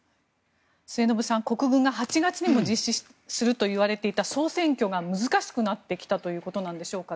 末延さん、国軍が８月にも実施するといわれていた総選挙が難しくなってきたということなんでしょうか。